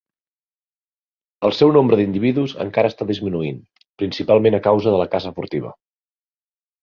El seu nombre d'individus encara està disminuint, principalment a causa de la caça furtiva.